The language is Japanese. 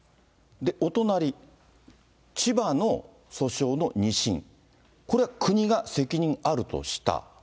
お隣、千葉の訴訟の２審、これは国が責任あるとした。